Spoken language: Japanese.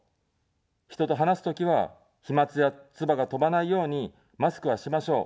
人と話すときは、飛まつや、唾が飛ばないように、マスクはしましょう。